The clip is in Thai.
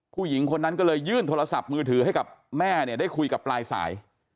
ผู้หญิงคนนั้นก็เลยยื่นโทรศัพท์มือถือให้กับแม่เนี่ยได้คุยกับปลายสาย